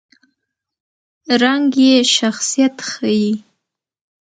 رنګ یې شخصیت ښيي.